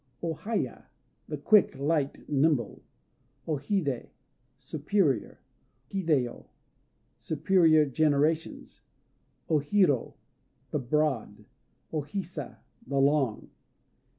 O Haya "The Quick," light, nimble. O Hidé "Superior." Hidéyo "Superior Generations." O Hiro "The Broad." O Hisa "The Long."